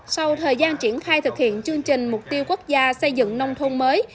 sau thời gian triển khai thực hiện chương trình mục tiêu quốc gia xây dựng nông thôn mới